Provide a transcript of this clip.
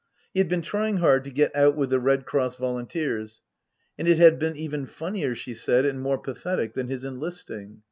He had been trying hard to get out with the Red Cross volunteers, and it had been even funnier, she said, and more pathetic, than his enlist ing.